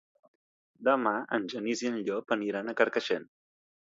Demà en Genís i en Llop aniran a Carcaixent.